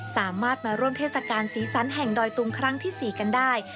สามารถมาร่วมเทศกาลสีสันแห่งดอยตุงครั้งที่๔กันได้